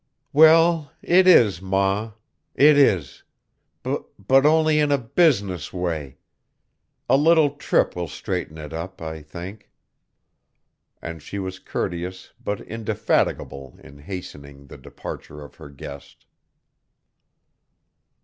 "Well, it is, ma, it is, b but only in a business way. A little trip will straighten it up, I think." And she was courteous but indefatigable in hastening the departure of her guest.